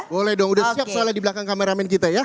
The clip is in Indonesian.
boleh dong udah siap soalnya di belakang kameramen kita ya